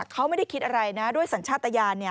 เขาไม่ได้คิดอะไรนะด้วยสัญชาติยาน